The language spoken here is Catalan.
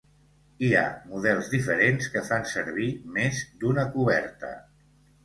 Hi ha models diferents que fan servir més d'una coberta.